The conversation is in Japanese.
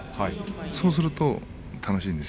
そうすると楽しいです。